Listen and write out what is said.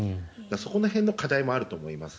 そこら辺の課題もあると思います。